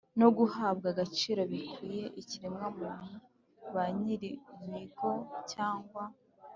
no guhabwa agaciro bikwiye ikiremwa muntu. ba nyiri ibigo cyangwa